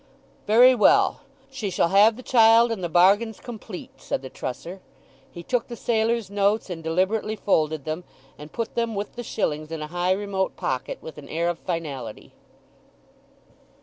"Very well, she shall have the child, and the bargain's complete," said the trusser. He took the sailor's notes and deliberately folded them, and put them with the shillings in a high remote pocket, with an air of finality.